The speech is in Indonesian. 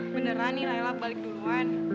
beneran nih lelap balik duluan